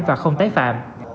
và không tái phạm